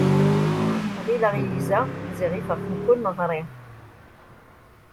Ɣileɣ yegza, ziɣ ifeɣ-t nekk ur neɣṛi.